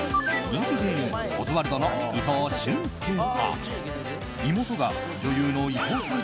人気芸人オズワルドの伊藤俊介さん。